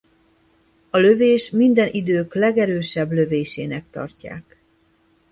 A lövés minden idők legerősebb lövésének tartják.